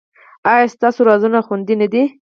ایا ستاسو رازونه خوندي نه دي؟